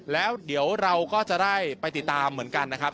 แล้วเดี๋ยวเราก็จะได้ไปติดตามเหมือนกันนะครับ